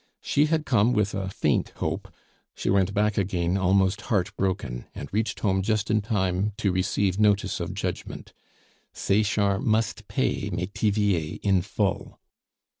She had come with a faint hope, she went back again almost heartbroken, and reached home just in time to receive notice of judgment; Sechard must pay Metivier in full.